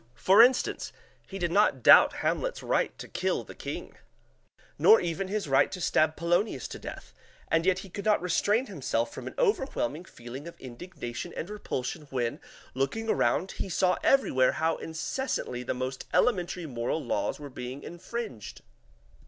For instance, he did not doubt Hamlet's right to kill the King, nor even his right to stab Polonius to death, and yet he could not restrain himself from an overwhelming feeling of indignation and repulsion when, looking around, he saw everywhere how incessantly the most elementary moral laws were being infringed.